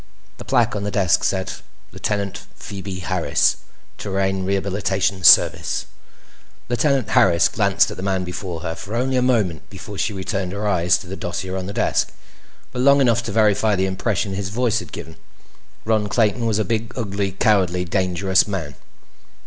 The plaque on the desk said: LT. PHOEBE HARRIS TERRAN REHABILITATION SERVICE Lieutenant Harris glanced at the man before her for only a moment before she returned her eyes to the dossier on the desk; but long enough to verify the impression his voice had given. Ron Clayton was a big, ugly, cowardly, dangerous man.